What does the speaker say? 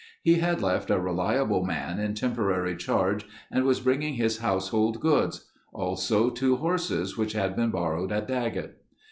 He had left a reliable man in temporary charge and was bringing his household goods; also two horses which had been borrowed at Daggett.